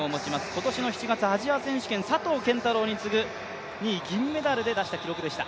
今年の７月、アジア選手権佐藤拳太郎に次ぐ、２位で出した記録でした。